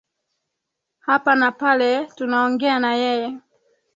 hapa na pale eeh tunaongea na yeye